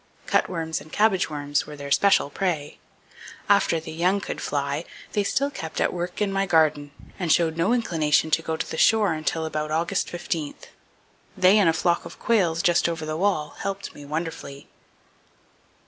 Cutworms and cabbage worms were their special prey. After the young could fly, they still kept at work in my garden, and showed no inclination to go to the shore until about August 15th. They and a flock of quails just over the wall helped me wonderfully."